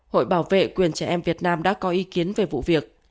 hội bảo vệ quyền trẻ em việt nam đã có ý kiến về vụ việc